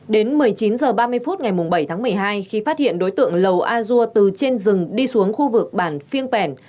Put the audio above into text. đến một mươi chín h ba mươi phút ngày bảy tháng một mươi hai khi phát hiện đối tượng lầu a dua từ trên rừng đi xuống khu vực bản phiêng pèn